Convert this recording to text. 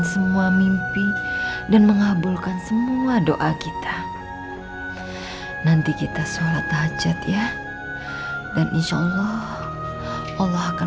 semua mimpi dan mengabulkan semua doa kita nanti kita sholat hajat ya dan insya allah allah akan